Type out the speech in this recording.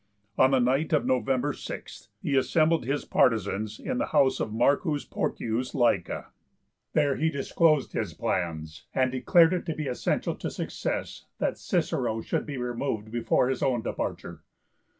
On the night of November 6, he assembled his partisans in the house of M. Porcius Laeca. There he disclosed his plans, and declared it to be essential to success that Cicero should be removed before his own departure.